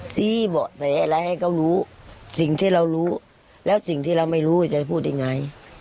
เบาะแสอะไรให้เขารู้สิ่งที่เรารู้แล้วสิ่งที่เราไม่รู้จะพูดยังไง